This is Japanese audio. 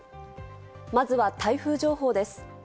まずは台風情報です。